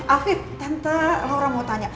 afif tante laura mau tanya